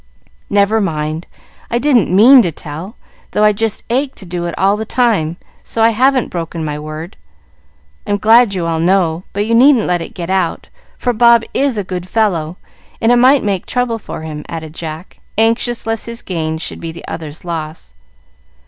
"Never mind, I didn't mean to tell, though I just ached to do it all the time, so I haven't broken my word. I'm glad you all know, but you needn't let it get out, for Bob is a good fellow, and it might make trouble for him," added Jack, anxious lest his gain should be the other's loss.